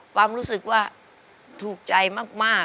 ความรู้สึกว่าถูกใจมาก